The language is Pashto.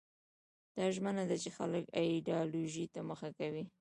دا ژمنه ده چې خلک ایدیالوژۍ ته مخه کړي.